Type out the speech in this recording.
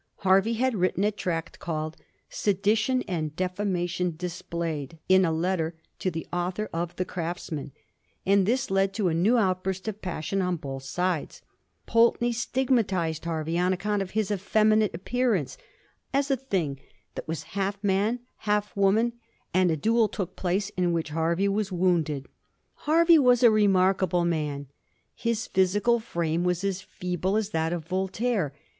Hervey had written a tract called * Sedition and Defamation dis played ; in a Letter to the Author of the Crafts Tnan;' and this led to a new outburst of passion on both sides. Pulteney stigmatised Hervey, on account of his effeminate appearance, as a thing that was half VOL. I. D D Digiti zed by Google 402 A HISTORY OF THE FOUR GEORGES. ck. xx. man, half woman, and a duel took place, in which Hervey was wounded. Hervey was a remarkable man. His physical frame was as feeble as that of Voltaire.